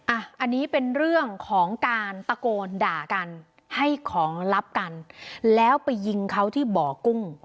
อันนี้เป็นเรื่องของการตะโกนด่ากันให้ของลับกันแล้วไปยิงเขาที่บ่อกุ้ง